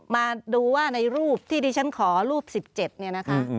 มาดูว่าในรูปที่ดิฉันขอรูป๑๗เนี่ยนะคะ